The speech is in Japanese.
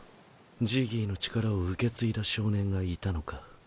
ジギーの力を受け継いだ少年がいたのか。